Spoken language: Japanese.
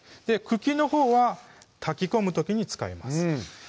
茎のほうは炊き込む時に使います